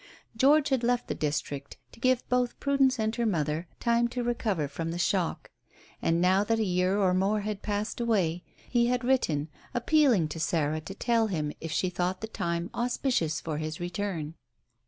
George had left the district to give both Prudence and her mother time to recover from the shock. And now that a year or more had passed away, he had written appealing to Sarah to tell him if she thought the time auspicious for his return.